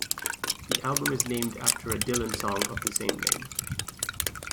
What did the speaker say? The album is named after a Dylan song of the same name.